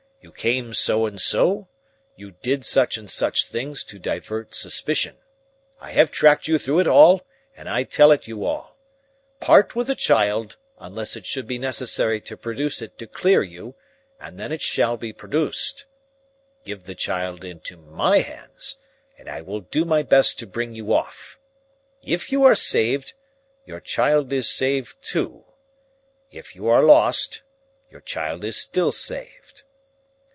You came so and so, you did such and such things to divert suspicion. I have tracked you through it all, and I tell it you all. Part with the child, unless it should be necessary to produce it to clear you, and then it shall be produced. Give the child into my hands, and I will do my best to bring you off. If you are saved, your child is saved too; if you are lost, your child is still saved."